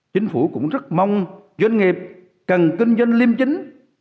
chính phủ cũng rất mong doanh nghiệp cần kinh doanh liêm chính